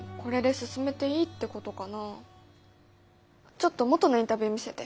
ちょっと元のインタビュー見せて。